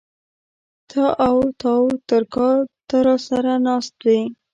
تااو تراو تر کا ته را سر ه ناست وې